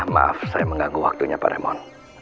maaf saya mengganggu waktunya pak remon